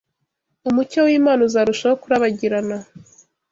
umucyo w’Imana uzarushaho kurabagirana,